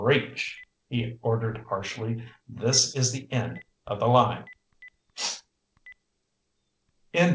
"Reach!" he ordered harshly. "This is the end of the line!"